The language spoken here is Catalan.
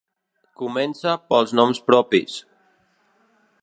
Comença pels noms propis.